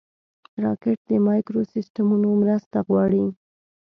راکټ د مایکروسیسټمونو مرسته غواړي